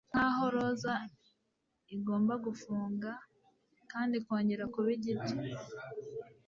Nkaho roza igomba gufunga kandi ikongera kuba igiti